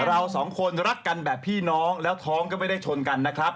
เราสองคนรักกันแบบพี่น้องแล้วท้องก็ไม่ได้ชนกันนะครับ